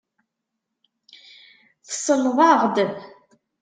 Tselleḍ-aɣ-d?